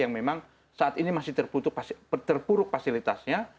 yang memang saat ini masih terpuruk fasilitasnya